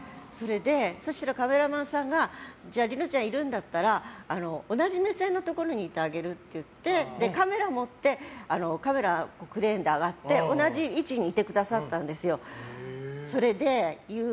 そしたらカメラマンさんが梨乃ちゃんいるんだったら同じ目線のところにいてあげるって言われてカメラ持ってクレーンで上がって同じ位置にいてくださったんです。